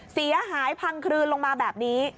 เสียหายพังคลืนลงมาแบบนี้